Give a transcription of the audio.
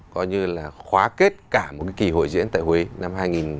coi như là khóa kết cả một cái kỳ hội diễn tại huế năm hai nghìn một mươi hai